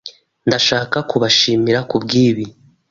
Ndashaka kubashimira kubwibi.